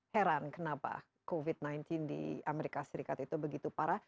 heran kenapa covid sembilan belas di amerika serikat itu begitu parah